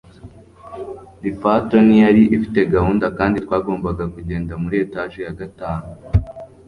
lifator ntiyari ifite gahunda kandi twagombaga kugenda muri etage ya gatanu